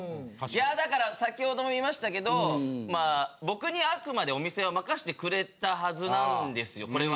いやだから先ほども言いましたけどまあ僕にあくまでお店を任せてくれたはずなんですよこれは。